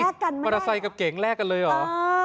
แลกกันไม่ได้มอเตอร์ไซค์กับเก่งแลกกันเลยเหรอเออ